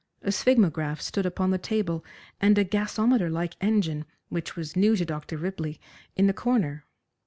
A sphygmograph stood upon the table and a gasometer like engine, which was new to Dr. Ripley, in the corner.